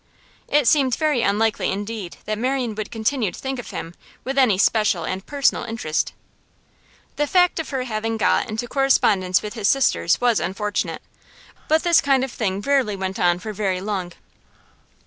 It seemed very unlikely indeed that Marian would continue to think of him with any special and personal interest. The fact of her having got into correspondence with his sisters was unfortunate, but this kind of thing rarely went on for very long.